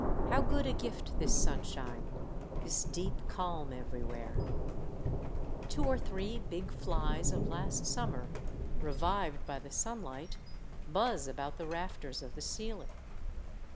How good a gift this sunshine, this deep calm every where ! Two or three big flies of last summer, revived by the sunlight, buzz about the rafters of the ceiling.